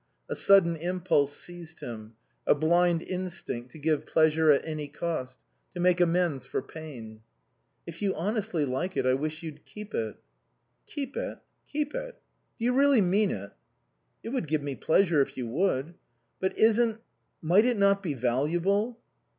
A sudden impulse seized him, a blind instinct to give pleasure at any cost, to make amends for pain. " If you honestly like it, I wish you'd keep it." " Keep it? Keep it? Do you really mean it?" " It would give me pleasure if you would." " But isn't might it not be valuable